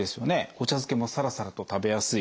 お茶漬けもさらさらと食べやすい。